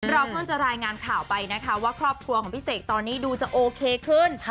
เพิ่งจะรายงานข่าวไปนะคะว่าครอบครัวของพี่เสกตอนนี้ดูจะโอเคขึ้น